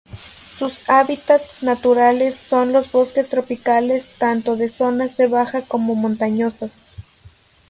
Sus hábitats naturales son los bosques tropicales tanto de zonas de bajas como montañosas.